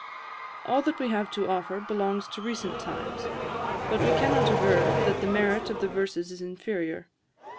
"All that we have to offer belongs to recent times; but we cannot aver that the merit of the verses is inferior.